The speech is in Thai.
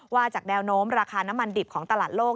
จากแนวโน้มราคาน้ำมันดิบของตลาดโลก